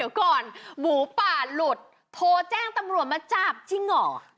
เดี๋ยวก่อนหมูป่าหลุดโทรแจ้งตำรวจมาจับจริงเหรอ